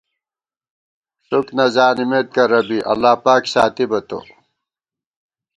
ݭُک نہ زانِمېت کرہ بی، اللہ پاک ساتِبہ تو